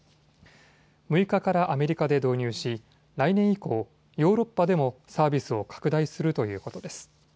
６日からアメリカで導入し来年以降、ヨーロッパでもサービスを拡大するということです。